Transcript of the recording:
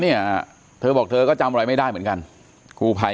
เนี่ยเธอบอกเธอก็จำอะไรไม่ได้เหมือนกันกูภัย